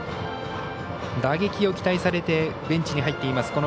打撃を期待されてベンチに入っています